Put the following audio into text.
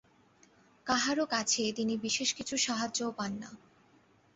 কাহারো কাছে তিনি বিশেষ কিছু সাহায্যও পান না।